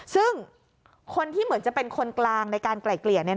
ซึ่งคนที่เหมือนจะเป็นคนกลางในการไกล่เกลี่ย